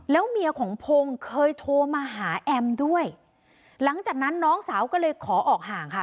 แล้วเมียของพงศ์เคยโทรมาหาแอมด้วยหลังจากนั้นน้องสาวก็เลยขอออกห่างค่ะ